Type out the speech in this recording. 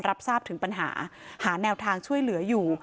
รับทราบถึงปัญหาหาแนวทางช่วยเหลืออยู่